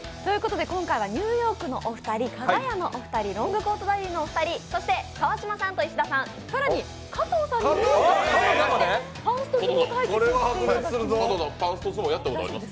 今回はニューヨークのお二人、かが屋のお二人、ロングコートダディのお二人、そして川島さんと石田さん、更に加藤さんにも加わっていただきパンスト相撲対決をしていただきます。